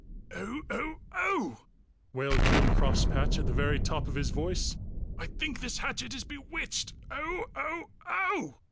"Oh! Oh! Oh!" wailed King Crosspatch at the very top of his voice. "I think this hatchet is bewitched! Oh! Oh! Oh!"